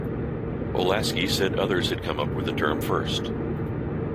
Olasky said others had come up with the term first.